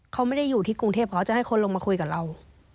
เขาไม่ได้อยู่ที่กรุงเทพเขาจะให้คนลงมาคุยกับเรา